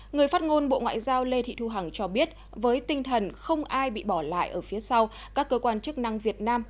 người phát ngôn bộ ngoại giao lê thị thu hằng cho biết với tinh thần không ai bị bỏ lại ở phía sau các cơ quan chức năng việt nam